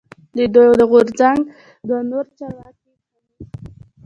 د دوی د غورځنګ دوه نور چارواکی حنیف